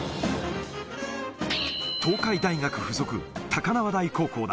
東海大学付属高輪台高校だ。